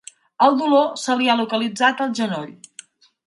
El dolor se li ha localitzat al genoll.